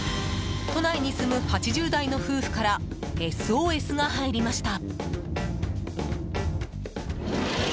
都内に住む８０代の夫婦からＳＯＳが入りました。